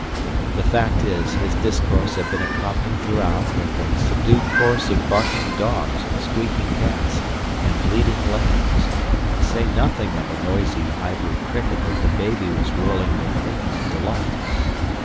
The fact is, his discourse had been accompanied throughout with a subdued chorus of barking dogs, squeaking cats, and bleating lambs, to say nothing of a noisy ivory cricket that the baby was whirling with infinite delight.